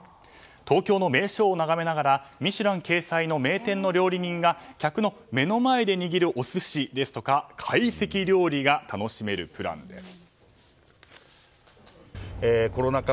東京の名所を眺めながら「ミシュラン」掲載の名店の料理人が客の目の前で握るお寿司ですとか懐石料理が楽しめるプランです。